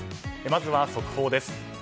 まずは速報です。